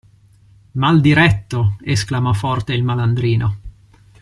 Mal diretto! Esclamò forte il malandrino.